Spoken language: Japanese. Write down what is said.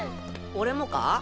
俺もか？